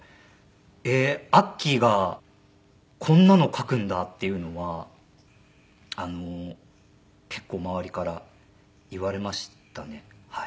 えっアッキーがこんなの書くんだっていうのは結構周りから言われましたねはい。